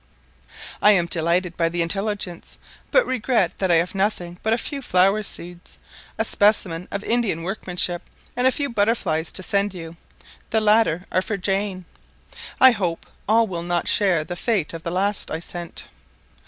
I am delighted by the intelligence, but regret that I have nothing but a few flower seeds, a specimen of Indian workmanship, and a few butterflies to send you the latter are for Jane. I hope all will not share the fate of the last I sent.